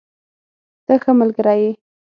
ته ښه ملګری یې.